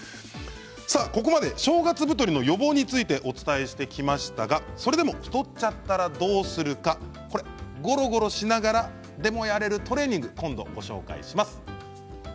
ここまで正月太りの予防についてお伝えしてきましたがそれでも太っちゃったらどうするかゴロゴロしながらでもやれるトレーニングをご紹介します。